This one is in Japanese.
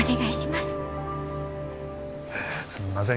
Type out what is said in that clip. すんません